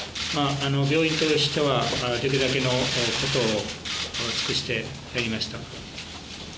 病院としてはできるだけのことを尽くしてやりました。